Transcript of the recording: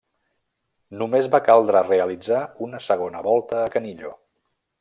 Només va caldre realitzar una segona volta a Canillo.